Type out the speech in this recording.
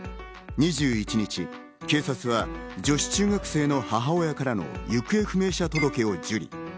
２１日、警察は女子中学生の母親からの行方不明者届を受理。